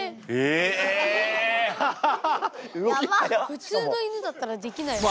普通の犬だったらできないね。